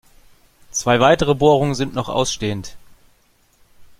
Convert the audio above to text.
Zwei weitere Bohrungen sind noch ausstehend.